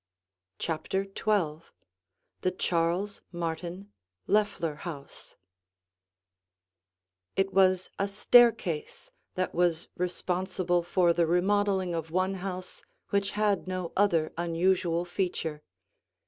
CHAPTER XII THE CHARLES MARTIN LOEFFLER HOUSE It was a staircase that was responsible for the remodeling of one house which had no other unusual feature.